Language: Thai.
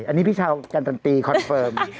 อันนี้พี่ชาวการันตีคอนเฟิร์ม